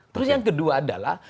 terus yang kedua adalah